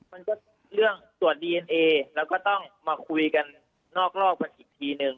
มันก็เรื่องตรวจดีเอ็นเอแล้วก็ต้องมาคุยกันนอกรอบกันอีกทีนึง